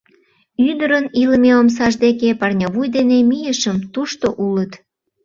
Ӱдырын илыме омсаж деке парнявуй дене мийышым — тушто улыт.